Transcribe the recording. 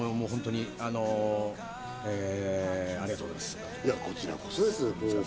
ありがとうございます。